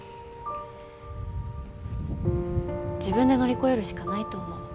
自分で乗り越えるしかないと思う。